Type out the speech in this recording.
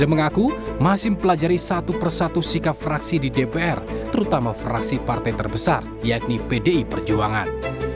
mengaku masih mempelajari satu persatu sikap fraksi di dpr terutama fraksi partai terbesar yakni pdi perjuangan